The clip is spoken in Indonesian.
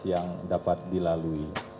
yang dapat dilalui